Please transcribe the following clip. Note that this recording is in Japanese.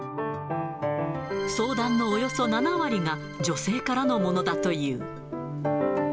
相談のおよそ７割が女性からのものだという。